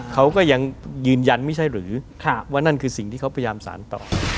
เขาก็ยังยืนยันไม่ใช่หรือว่านั่นคือสิ่งที่เขาพยายามสารต่อ